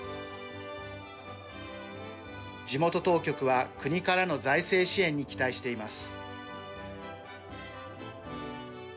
地元当局は、国からの財政支援に期待しています。